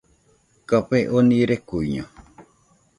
Café oni rekuiño